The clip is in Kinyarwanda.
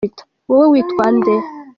wowe witwande